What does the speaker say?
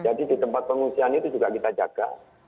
jadi di tempat pengisian itu juga kita jaga